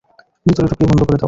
ভেতরে ঢুকিয়ে বন্ধ করে দাও!